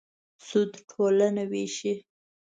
سود ټولنه وېشي.